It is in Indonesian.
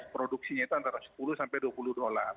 produksinya itu antara sepuluh sampai dua puluh dolar